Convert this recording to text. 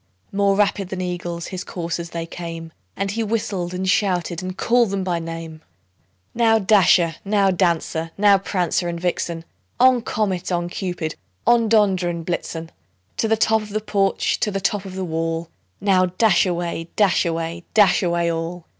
More rapid than eagles his coursers they came, And he whistled, and shouted, and called them by name; "Now, Dasher! now, Dancer! now, Prancer and Vixen! On! Comet, on! Cupid, on! Dunder and Blitzen To the top of the porch, to the top of the wall! Now, dash away, dash away, dash away all!"